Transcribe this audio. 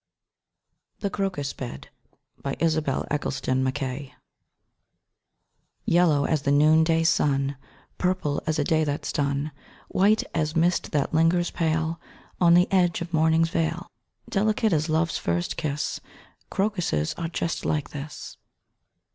dawn that breaks the dream!) The Crocus Bed YELLOW as the noonday sun, Purple as a day that's done, White as mist that lingers pale On the edge of morning's veil, Delicate as love's first kiss Crocuses are just like this.